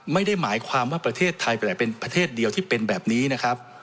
ไม่ได้หมายความว่าประเทศไทยเป็นประเทศเดียวที่เป็นแบบนี้นะครับ